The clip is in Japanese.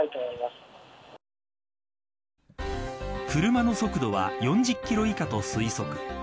車の速度は４０キロ以下と推測。